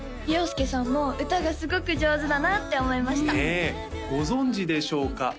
ＲＩＯＳＫＥさんも歌がすごく上手だなって思いましたねえご存じでしょうか？